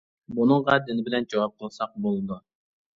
بۇنىڭغا دىن بىلەن جاۋاب قىلساق بولىدۇ.